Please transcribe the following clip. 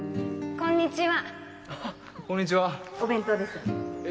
こんにちは。